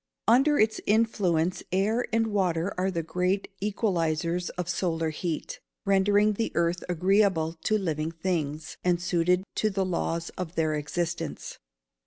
_ Under its influence air and water are the great equalisers of solar heat, rendering the earth agreeable to living things, and suited to the laws of their existence.